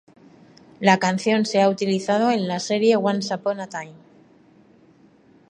La canción se ha utilizado en la serie Once Upon a time.